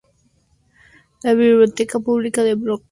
La Biblioteca Pública de Brooklyn gestiona bibliotecas públicas.